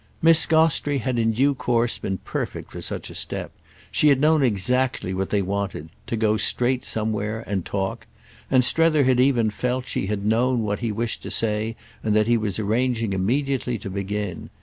Miss Gostrey had in due course been perfect for such a step; she had known exactly what they wanted—to go straight somewhere and talk; and Strether had even felt she had known what he wished to say and that he was arranging immediately to begin.